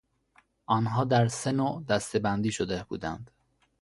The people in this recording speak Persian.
آنها درسه نوع دسته بندی شده بودند.